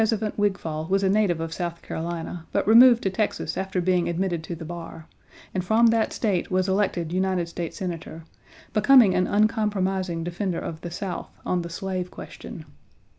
Louis Trezevant Wigfall was a native of South Carolina, but removed to Texas after being admitted to the bar, and from that State was elected United States Senator, becoming an uncompromising defender of the South on the slave question.